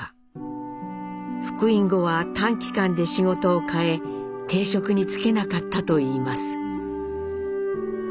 復員後は短期間で仕事を替え定職に就けなかったといいます。